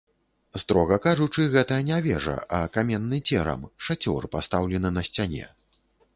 Строга кажучы, гэта не вежа, а каменны церам, шацёр, пастаўлены на сцяне.